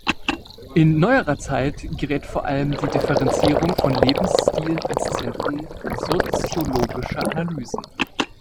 In neuerer Zeit gerät vor allem die Differenzierung von Lebensstilen ins Zentrum soziologischer Analysen.